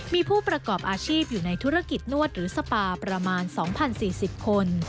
มีผู้ประกอบอาชีพอยู่ในธุรกิจนวดหรือสปาประมาณ๒๐๔๐คน